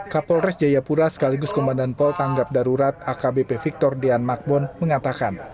kapol res jaya pura sekaligus komandan pol tanggap darurat akbp victor dian makbon mengatakan